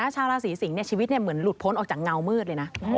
ชาวราศีสิงศ์ชีวิตเหมือนหลุดพ้นออกจากเงามืดเลยนะ